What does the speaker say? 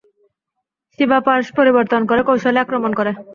সিবা পার্শ পরিবর্তন করে কৌশলী আক্রমণ করে।